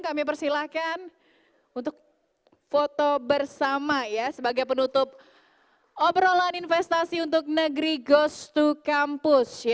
kami persilahkan untuk foto bersama ya sebagai penutup obrolan investasi untuk negeri ghost to campus